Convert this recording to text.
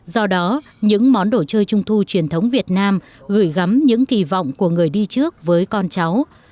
do đó những món đồ chơi trung thu truyền thống việt nam gửi gắm những kỳ vọng của người đi trước với con cháu